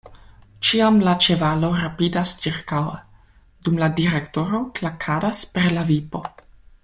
Ĉiam la ĉevalo rapidas ĉirkaŭe, dum la direktoro klakadas per la vipo.